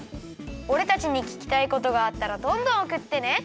おれたちにききたいことがあったらどんどんおくってね！